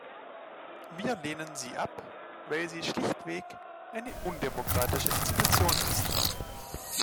Wir lehnen sie ab, weil sie schlichtweg eine undemokratische Institution ist.